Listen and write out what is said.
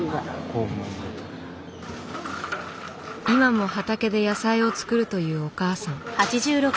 今も畑で野菜を作るというお母さん。